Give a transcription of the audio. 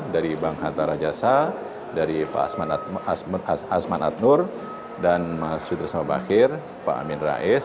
dari bang hanta rajasa dari pak asman atnur dan mas fitrusal bakir pak amin rais